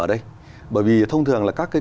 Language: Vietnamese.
ở đây bởi vì thông thường là các cái